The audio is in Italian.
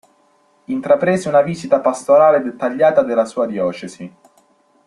Intraprese una visita pastorale dettagliata della sua diocesi.